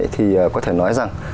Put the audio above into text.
thì có thể nói rằng